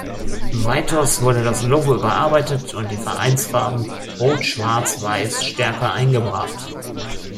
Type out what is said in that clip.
Weiters wurde das Logo überarbeitet und die Vereinsfarben rot-schwarz-weiß stärker eingebracht.